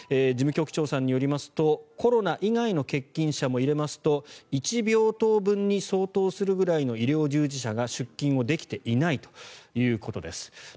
事務局長さんによりますとコロナ以外の欠勤者も入れますと１病棟分に相当するぐらいの医療従事者が出勤できていないということです。